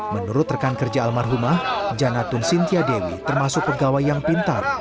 menurut rekan kerja almarhumah janatun sintia dewi termasuk pegawai yang pintar